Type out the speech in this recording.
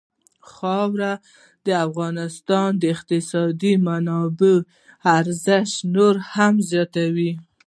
خاوره د افغانستان د اقتصادي منابعو ارزښت نور هم زیاتوي.